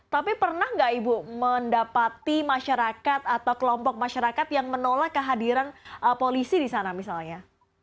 tapi pernah nggak ibu mendapati masyarakat atau kelompok masyarakat yang menolak kehadiran polisi di sana misalnya